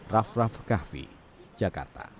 raff raff kahfi jakarta